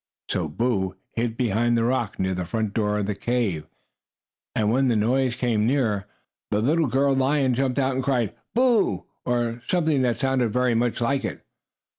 So Boo hid behind the rock near the front door of the cave house, and, when the noise came nearer, the little girl lion jumped out and cried: "Boo!" or something that sounded very much like it.